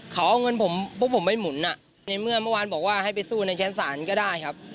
เขาเอาเงินผมพวกผมไปหมุนในเมื่อเมื่อวานบอกว่าให้ไปสู้ในชั้นศาลก็ได้ครับ